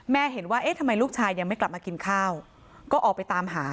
เห็นว่าเอ๊ะทำไมลูกชายยังไม่กลับมากินข้าวก็ออกไปตามหา